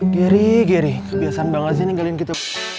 giri giri kebiasaan banget sih ninggalin kiki